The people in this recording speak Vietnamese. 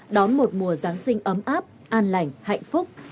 đón một mùa giáng sinh ấm áp an lành hạnh phúc